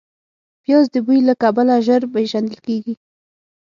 پیاز د بوی له کبله ژر پېژندل کېږي